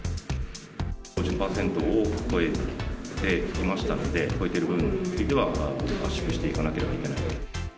５０％を超えていましたので、超えている部分については圧縮していかなければいけないと。